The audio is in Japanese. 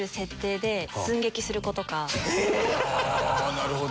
なるほど！